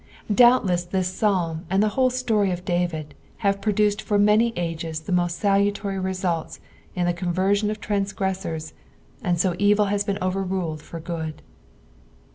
Doubtless this Psalm and the whole story of David, have produced for many ages the most salutary results in the conversioa of transgressors, and so evil has been overraled for good.